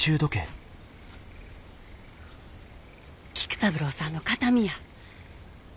菊三郎さんの形見や。